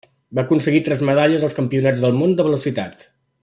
Va aconseguir tres medalles als Campionats del món de velocitat.